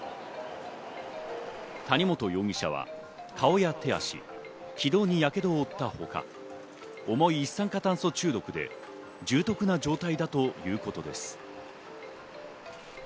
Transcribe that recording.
谷本容疑者は顔や手足、気道にやけどを負ったほか、重い一酸化炭素中毒で重篤な状態だということです。